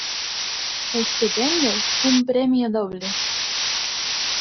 ¡ Estupendo, un premio doble!